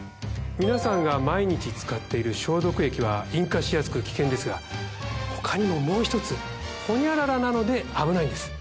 皆さんが毎日使っている消毒液は引火しやすく危険ですが他にももう１つホニャララなので危ないんです。